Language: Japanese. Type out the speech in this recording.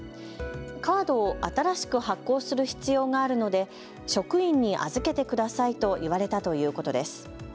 カードを新しく発行する必要があるので職員に預けてくださいと言われたということです。